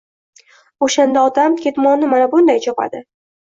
O‘shanda otam: “Ketmonni mana bunday chopadi.